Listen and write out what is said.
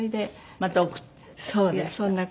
また送って。